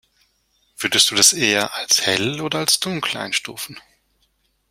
Würdest du das eher als hell oder als dunkel einstufen?